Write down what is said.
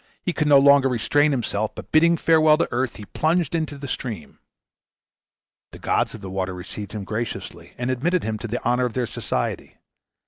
He could no longer restrain himself, but bidding farewell to earth, he plunged into the stream. The gods of the water received him graciously, and admitted him to the honor of their society.